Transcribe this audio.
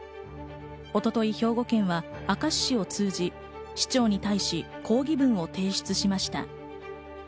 一昨日、兵庫県は明石市を通じ市長に対し抗議文を提出しました。